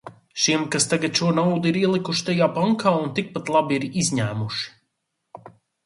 Šiem, kas tagad šo naudu ir ielikuši tajā bankā un tikpat labi ir izņēmuši.